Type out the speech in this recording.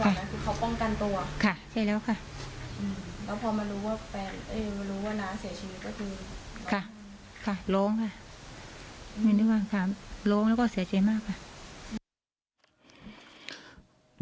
ค่ะค่ะโล้งค่ะไม่นึกว่าค่ะโล้งแล้วก็เสียใจมากค่ะ